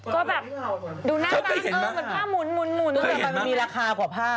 ก็แบบดูหน้าตาเกินเกินเหมือนผ้ามุนเพราะมันมีราคากว่าผ้า